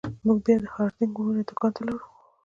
موږ بیا د هارډینګ ورونو دکان ته لاړو.